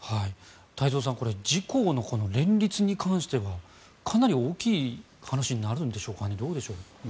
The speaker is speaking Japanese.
太蔵さん、これ自公の連立に関してはかなり大きい話になるんでしょうかね？